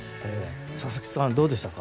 佐々木さん、どうでしたか？